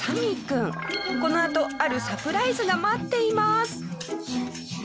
このあとあるサプライズが待っています。